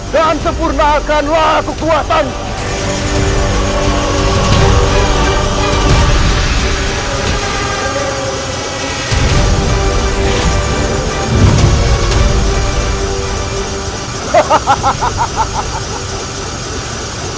dan sempurnakanlah kekuatanku